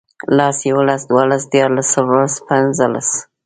لس، يوولس، دوولس، ديارلس، څوارلس، پينځلس